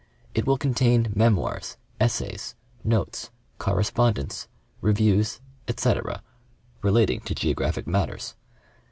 It will contain memoirs, essays, notes, correspondence, reviews, etc., relating to Geographic matters.